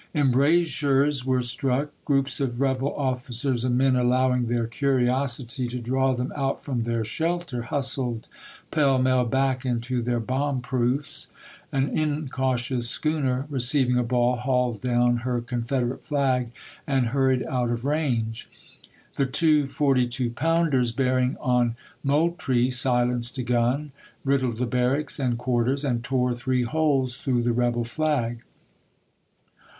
Embrasures were struck; groups of rebel officers and men allowing their curiosity to draw them out from their shelter hustled pell mell back into their bomb proofs ; an incautious schooner, receiving a ball, hauled down her Confederate flag and hurried out of range ; the two forty two pounders bearing on Moultrie silenced a gun, riddled the barracks and quarters, and tore three holes through the rebel flag.